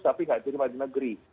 tapi nggak diberi ke madin negeri